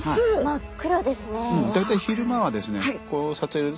真っ黒ですね。